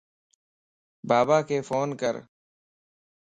باباک فون ڪَر